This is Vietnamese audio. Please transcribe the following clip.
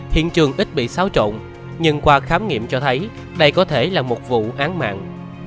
hiện trường ít bị xáo trộn nhưng qua khám nghiệm cho thấy đây có thể là một vụ án mạng